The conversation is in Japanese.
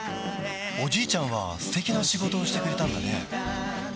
おじいちゃんは素敵な仕事をしてくれたんだね